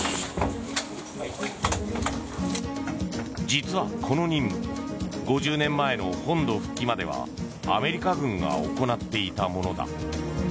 実はこの任務５０年前の本土復帰まではアメリカ軍が行っていたものだ。